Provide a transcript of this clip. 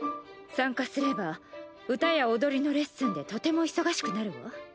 参加すれば歌や踊りのレッスンでとても忙しくなるわ。